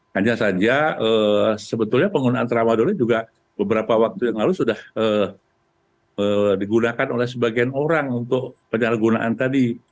hanya saja sebetulnya penggunaan tramadoli juga beberapa waktu yang lalu sudah digunakan oleh sebagian orang untuk penyalahgunaan tadi